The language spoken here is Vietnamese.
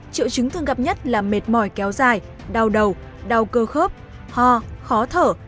triệu chứng thường gặp nhất là mệt mỏi kéo dài đau đầu đau cơ khớp ho khó thở